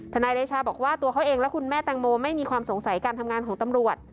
นายเดชาบอกว่าตัวเขาเองและคุณแม่แตงโมไม่มีความสงสัยการทำงานของตำรวจ